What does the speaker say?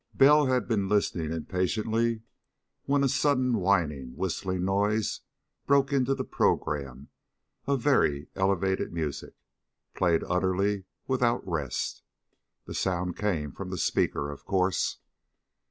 Bell had been listening impatiently, when a sudden whining, whistling noise broke into the program of very elevated music, played utterly without rest. The sound came from the speaker, of course.